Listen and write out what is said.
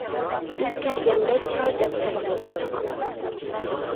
بىزگە كەلگەندە چار دەپ تەرجىمە قىلىنغان.